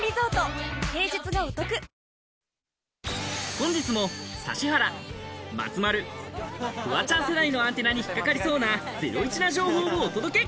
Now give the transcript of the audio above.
本日も指原、松丸、フワちゃん世代のアンテナに引っ掛かりそうなゼロイチな情報をお届け！